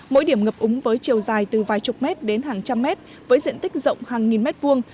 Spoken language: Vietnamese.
mỗi điểm ngập úng với chiều dài từ vài chục mét đến hàng trăm mét với diện tích rộng hàng nghìn mét vuông